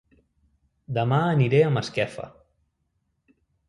Dema aniré a Masquefa